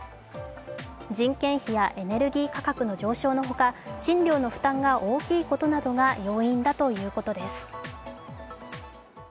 人件費やエネルギー価格の上昇のほか、賃料の負担が大きいことなどが要因だということです。